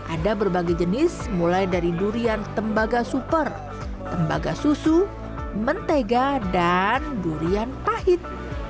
ada berbagai jenis mulai dari durian tembaga super tembaga susu mentega dan durian pahit